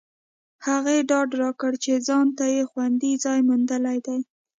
هغې ډاډ راکړ چې ځانته یې خوندي ځای موندلی دی